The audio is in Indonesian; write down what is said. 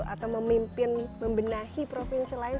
atau memimpin membenahi provinsi lain